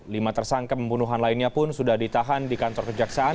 lima tersangka pembunuhan lainnya pun sudah ditahan di kantor kejaksaan